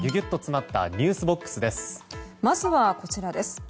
まずはこちらです。